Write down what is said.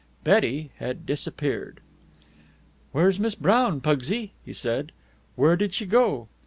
Betty had disappeared. "Where's Miss Brown, Pugsy?" he said. "Where did she go?"